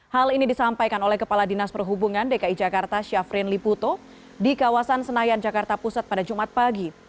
hal ini disampaikan oleh kepala dinas perhubungan dki jakarta syafrin liputo di kawasan senayan jakarta pusat pada jumat pagi